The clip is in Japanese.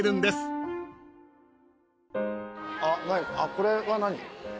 これは何？